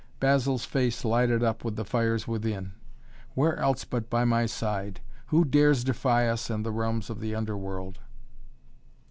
Basil's face lighted up with the fires within. "Where else but by my side? Who dares defy us and the realms of the Underworld?"